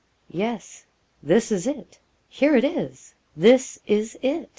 'Yes, this is it here it is this is it.